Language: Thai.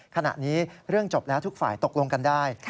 ขณะนี้เรื่องจบแล้วทุกฝ่ายตกลงกันได้